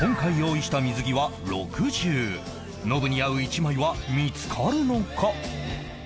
今回ノブに合う一枚は見つかるのか？